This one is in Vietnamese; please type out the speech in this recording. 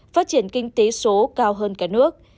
phát triển kinh tế số cao hơn cả nước